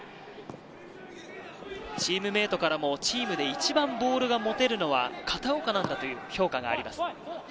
チームメートからも、チームで一番ボールが持てるのは片岡なんだという評価もあります。